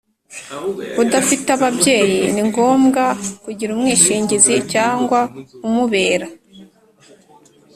udafite ababyeyi, ni ngombwa kugira umwishingizi, cyangwa umubera